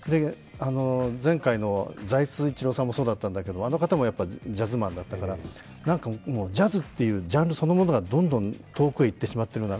前回の財津一郎さんもそうだったけどあの方もジャズマンだったから、ジャズっていうジャンルそのものがどんどん遠くへ行ってしまっているような